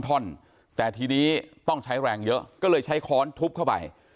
ท่อนแต่ทีนี้ต้องใช้แรงเยอะก็เลยใช้ค้อนทุบเข้าไป